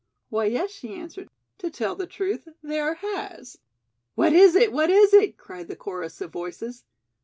"Why, yes," she answered, "to tell the truth, there has." "What is it? What is it?" cried the chorus of voices.